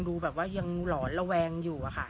ดูแบบว่ายังหลอนระแวงอยู่อะค่ะ